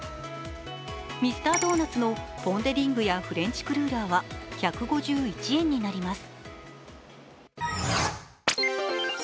ミスタードーナツのポン・デ・リングやフレンチクルーラーは１５１円になります。